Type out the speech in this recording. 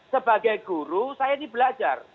sebagai guru saya ini belajar